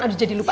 aduh jadi lupa